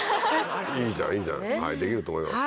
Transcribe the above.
いいじゃんいいじゃんできると思います。